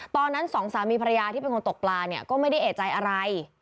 สองสามีภรรยาที่เป็นคนตกปลาเนี่ยก็ไม่ได้เอกใจอะไร